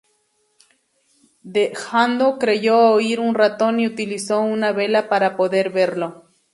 Django creyó oír un ratón y utilizó una vela para poder verlo.